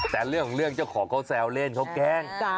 แต่ของเรื่องเจ้าของเค้าแซวเล่นเค้าแกล้ง